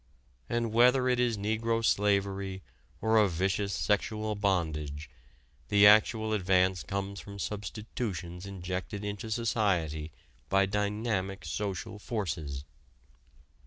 And whether it is negro slavery or a vicious sexual bondage, the actual advance comes from substitutions injected into society by dynamic social forces.